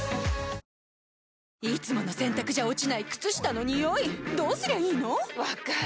いつもの洗たくじゃ落ちない靴下のニオイどうすりゃいいの⁉分かる。